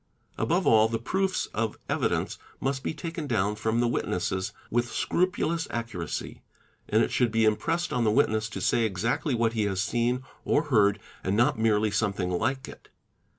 Above all, the proofs of evidence must be taken down from the witnesses with scrupulous accuracy ; and it should be impressed on the witness to say exactly what he has seen or heard and not merely something like it.